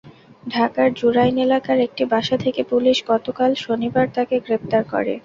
ঢাকার জুরাইন এলাকার একটি বাসা থেকে পুলিশ গতকাল শনিবার তাঁকে গ্রেপ্তার করে।